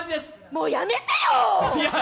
もう、やめてよー！